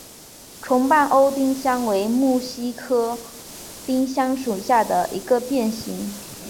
重瓣欧丁香为木犀科丁香属下的一个变型。